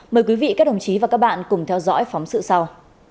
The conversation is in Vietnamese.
mời quý vị các đồng chí và các bạn cùng theo dõi phóng sự sau